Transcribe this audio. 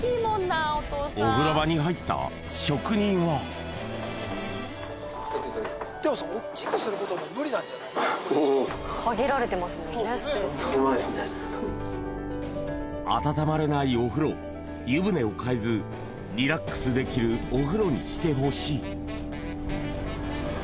お風呂場に入った職人は温まれないお風呂湯船を変えずリラックスできるお風呂にしてほしい